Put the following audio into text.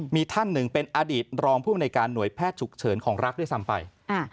มีท่านหนึ่งเป็นอดีตรองภูมิในการหน่วยแพทย์ฉุกเฉินของรักด้วยซ้ำไป